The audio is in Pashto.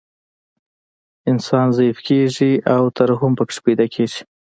انسان ضعیف کیږي او ترحم پکې پیدا کیږي